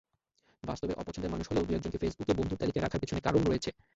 বাস্তবে অপছন্দের মানুষ হলেও দু-একজনকে ফেসবুকে বন্ধুর তালিকায় রাখার পেছনে কারণ রয়েছে।